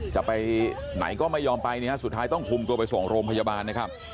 จะไปไหนก็ไม่ยอมไปนะฮะสุดท้ายต้องคุมตัวไปส่งโรงพยาบาลนะครับ